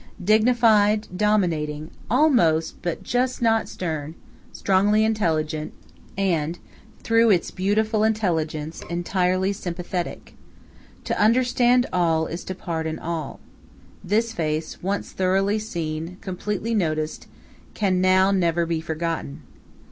Dignified, dominating, almost but just not stern, strongly intelligent, and, through its beautiful intelligence, entirely sympathetic ("to understand all, is to pardon all"), this face, once thoroughly seen, completely noticed, can never be forgotten.